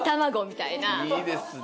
いいですね。